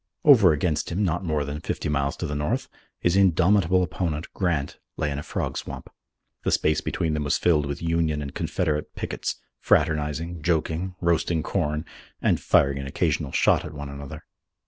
Over against him, not more than fifty miles to the north, his indomitable opponent, Grant, lay in a frog swamp. The space between them was filled with Union and Confederate pickets, fraternizing, joking, roasting corn, and firing an occasional shot at one another.